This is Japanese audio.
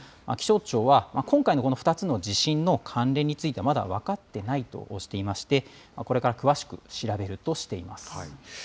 気象庁は、今回のこの２つの地震の関連については、まだ分かってないとしていまして、これから詳しく調べるとしています。